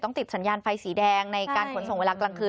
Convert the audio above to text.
ติดสัญญาณไฟสีแดงในการขนส่งเวลากลางคืน